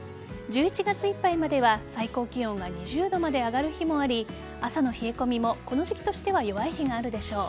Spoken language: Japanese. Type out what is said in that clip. １１月いっぱいまでは最高気温が２０度まで上がる日もあり朝の冷え込みもこの時期としては弱い日があるでしょう。